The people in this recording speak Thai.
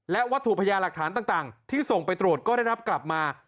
และวัตถุพยาหลักฐานต่างที่ส่งไปตรวจก็ได้รับกลับมา